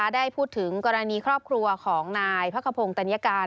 ได้พูดถึงกรณีครอบครัวของนายพระขพงศ์ตัญญาการ